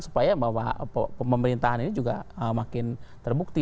supaya bahwa pemerintahan ini juga makin terbukti